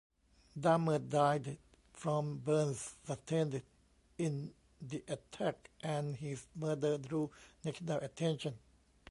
Dahmer died from burns sustained in the attack and his murder drew national attention.